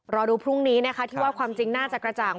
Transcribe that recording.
รอดูพรุ่งนี้นะคะที่ว่าความจริงน่าจะกระจ่าง